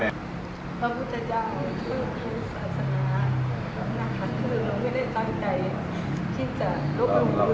พระพุทธเจ้าทุกทุกศาสนาเราไม่ได้ตั้งใจที่จะลบกับคุณอีกประมาณ